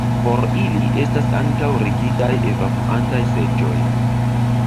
Por ili estas ankaŭ rigidaj evakuantaj seĝoj.